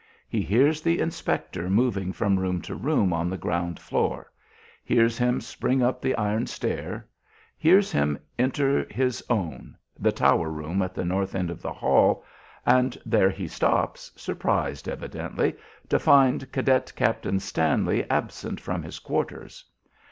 He hears the inspector moving from room to room on the ground floor; hears him spring up the iron stair; hears him enter his own, the tower room at the north end of the hall, and there he stops, surprised, evidently, to find Cadet Captain Stanley absent from his quarters.